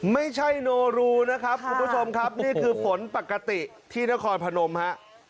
โนรูนะครับคุณผู้ชมครับนี่คือฝนปกติที่นครพนมฮะ